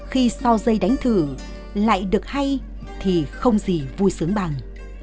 khi sau dây đánh thử lại được hay thì không gì vui sướng bằng